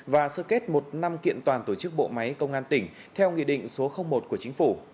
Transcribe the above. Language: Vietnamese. và sơ kết một năm kiện toàn tổ chức bộ máy công an tỉnh theo nghị định số một của chính phủ